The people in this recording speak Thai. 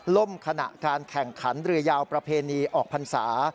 ล่มขณะการแข่งขันเรือยาวประเพณีออกพรรษา